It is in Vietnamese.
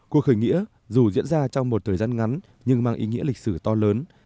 cuộc khởi nghĩa dù diễn ra trong một thời gian ngắn nhưng mang ý nghĩa lịch sử to lớn